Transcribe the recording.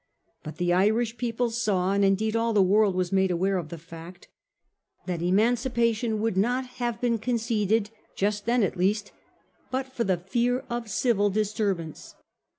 But the Irish people saw, and indeed all the world was made aware of the fact, that emancipation would not have been conceded just then at least but for the fear of civil disturbance.